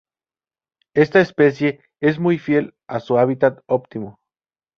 Esta especie es muy fiel a sus hábitat óptimo.